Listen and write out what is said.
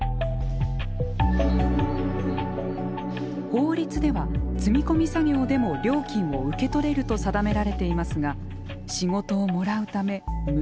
法律では積み込み作業でも料金を受け取れると定められていますが仕事をもらうため無償で行っています。